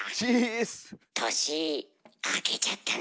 年明けちゃったな。